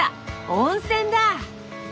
温泉だ！